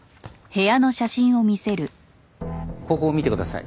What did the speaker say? ここを見てください。